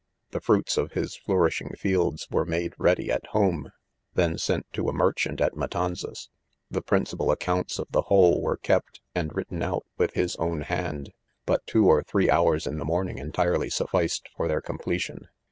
The fruits of his flourishing fields were made rea dy at home, then sent to a merchant at Ma= tanzas. The principal accounts of the whole were kept, and written out, with his own hand 5 but two or three hours in the morning entire ly sufficed for their completion.